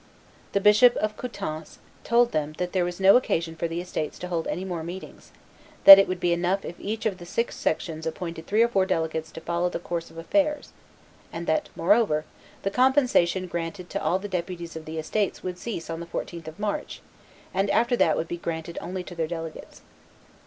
The Bishop of Coutances told them that there was no occasion for the estates to hold any more meetings; that it would be enough if each of the six sections appointed three or four delegates to follow the course of affairs; and that, moreover, the compensation granted to all the deputies of the estates would cease on the 14th of March, and after that would be granted only to their delegates.